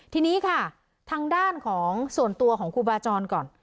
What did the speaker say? ทีนี้ค่ะทางด้านของส่วนตัวของครูบาจรก่อน